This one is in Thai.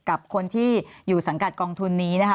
กับคนที่อยู่สังกัดกองทุนนี้นะคะ